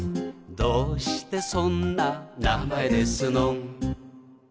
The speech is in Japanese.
「どうしてそんな名前ですのん」